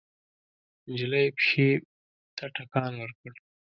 نجلۍ پښې ته ټکان ورکړ.